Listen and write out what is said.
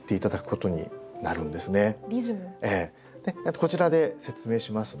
こちらで説明しますね。